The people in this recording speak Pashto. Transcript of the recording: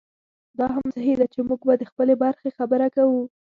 دا هم صحي ده چې موږ به د خپلې برخې خبره کوو.